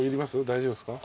大丈夫ですか？